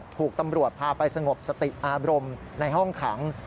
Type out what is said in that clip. ถูกตำรวจพาไปสงบสติอารมณ์ในห้องขัง